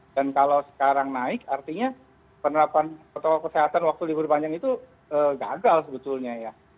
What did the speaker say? kalau sekarang naik artinya penerapan protokol kesehatan waktu libur panjang itu gagal sebetulnya ya